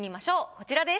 こちらです。